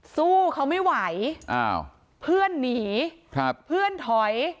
สู้เขาไม่ไหวอ้าวเพื่อนหนีครับเพื่อนถอย